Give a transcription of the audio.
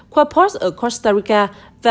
quapos ở costa rica và